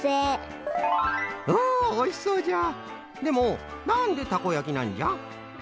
でもなんでたこやきなんじゃ？